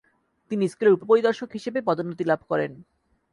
তিনি স্কুলের উপপরিদর্শক হিসেবে পদন্নোতি লাভ করেন।